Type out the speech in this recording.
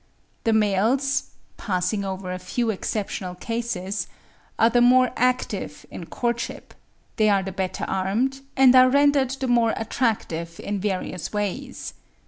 The males (passing over a few exceptional cases) are the more active in courtship; they are the better armed, and are rendered the more attractive in various ways.